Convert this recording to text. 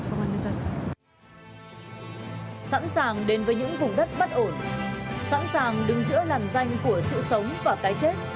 sẵn sàng đứng giữa nằm danh của sự sống và cái chết